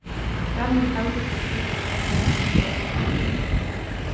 سامي يحاول التّركيز على هذا الجزء من حياة روزفلت.